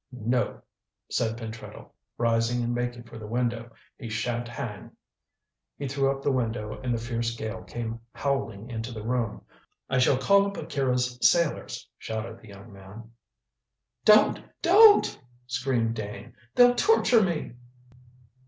"No," said Pentreddle, rising and making for the window, "he shan't hang." He threw up the window and the fierce gale came howling into the room. "I shall call up Akira's sailors," shouted the young man. "Don't; don't!" screamed Dane. "They'll torture me."